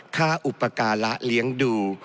อุปการะเลี้ยงดู